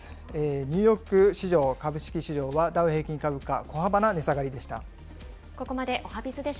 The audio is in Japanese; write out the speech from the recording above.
ニューヨーク市場、株式市場はダウ平均株価、小幅な値下がりでした。